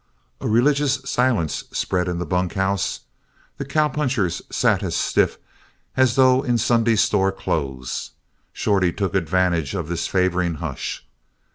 A religious silence spread in the bunkhouse. The cowpunchers sat as stiff as though in Sunday store clothes. Shorty took advantage of this favoring hush.